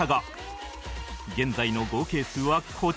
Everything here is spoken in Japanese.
現在の合計数はこちら